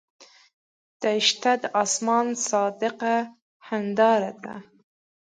دښته د آسمان صادقه هنداره ده.